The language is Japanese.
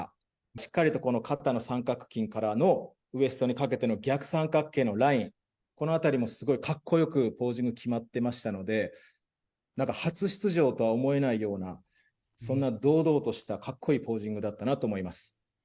しっかりと肩の三角筋からのウエストにかけての逆三角形のライン、このあたりもすごいかっこよくポージング決まってましたので、なんか初出場とは思えないような、そんな堂々としたかっこいいポージングだったなと思います。